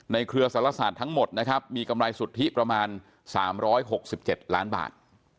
ในเครือสหรัฐศาสตร์ทั้งหมดมีกำไรสุดทิประมาณ๓๖๗ล้านบาท